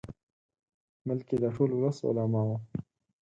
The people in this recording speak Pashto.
بلکې د ټول ولس، علماؤ.